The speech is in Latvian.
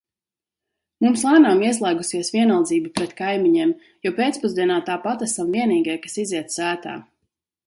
Mums lēnām ieslēgusies vienaldzība pret kaimiņiem, jo pēcpusdienā tāpat esam vienīgie, kas iziet sētā.